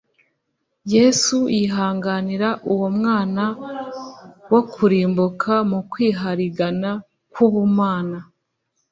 Yesu yihanganira uwo mwana wo kurimbuka mu kwiharigana kw'ubumana.